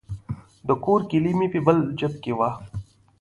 د کور کیلي مې په بل جیب کې وه.